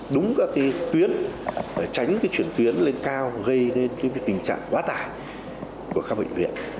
đúng các tuyến tránh chuyển tuyến lên cao gây nên tình trạng quá tải của các bệnh viện